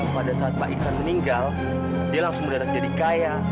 pada saat pak iksan meninggal dia langsung mendadak jadi kaya